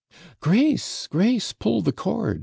'Grace, Grace! pull the cord!'